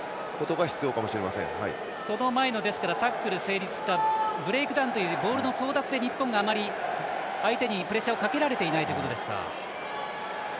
その前のタックル成立したブレイクダウンというボールの争奪で日本があまり相手にプレッシャーをかけられていないということですか。